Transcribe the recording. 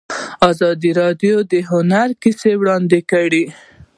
ازادي راډیو د هنر کیسې وړاندې کړي.